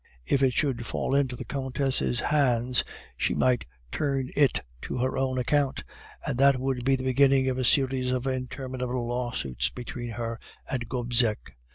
If it should fall into the Countess' hands, she might turn it to her own account, and that would be the beginning of a series of interminable lawsuits between her and Gobseck.